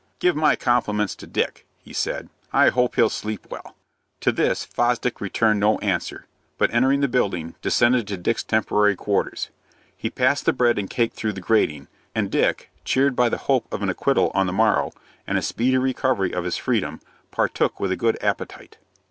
"Give my compliments to Dick," he said. "I hope he'll sleep well." To this Fosdick returned no answer, but, entering the building, descended to Dick's temporary quarters. He passed the bread and cake through the grating, and Dick, cheered by the hope of an acquittal on the morrow, and a speedy recovery of his freedom, partook with a good appetite.